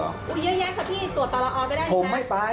อย่าครับพี่ตรวจต่อละออก็ได้ครับครับผมไม่ไปได้